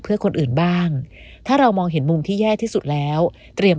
เพื่อคนอื่นบ้างถ้าเรามองเห็นมุมที่แย่ที่สุดแล้วเตรียม